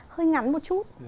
hơi ngắn một chút